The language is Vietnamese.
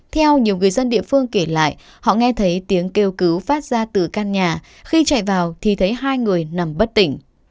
theo nhiều người dân địa phương kể lại họ nghe thấy tiếng kêu cứu phát ra từ căn nhà khi chạy vào thì thấy hai người nằm bất tỉnh